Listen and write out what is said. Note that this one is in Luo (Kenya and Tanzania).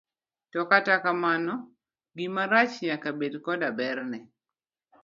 To kata kamano, gima rach nyaka bed koda berne.